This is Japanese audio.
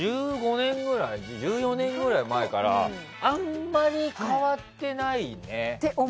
１５年、１４年くらい前からあんまり変わってないね。